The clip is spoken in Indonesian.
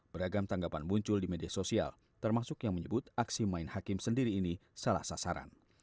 beragam tanggapan muncul di media sosial termasuk yang menyebut aksi main hakim sendiri ini salah sasaran